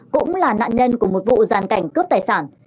cũng là nạn nhân của một vụ giàn cảnh cướp tài sản